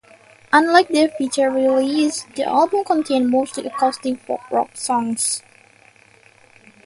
Unlike their future releases, the album contained mostly acoustic folk rock songs.